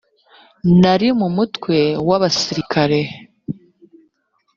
nari mu mutwe w abasirikare